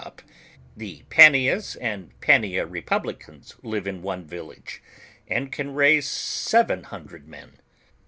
27 crup, tli3 P tncna and Panea Republicans live in one village v end can raise seven hundred men.